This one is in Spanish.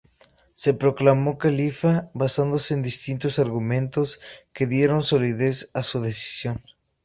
Se proclamó califa basándose en distintos argumentos que dieron solidez a su decisión.